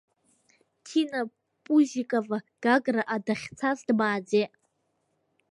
ҬинаПузикова Гаграҟа дахьцаз дмааӡеит.